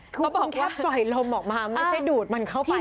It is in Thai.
คือคุณแค่ปล่อยลมออกมาไม่ใช่ดูดมันเข้าไปได้เอง